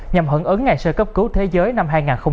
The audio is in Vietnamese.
nhằm hận ứng ngày sơ cấp cứu thế giới năm hai nghìn hai mươi ba